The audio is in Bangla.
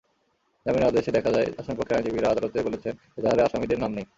জামিনের আদেশে দেখা যায়, আসামিপক্ষের আইনজীবীরা আদালতে বলেছেন, এজাহারে আসামিদের নাম নেই।